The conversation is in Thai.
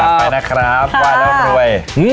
กลับไปนะครับว่ายล้อมรวย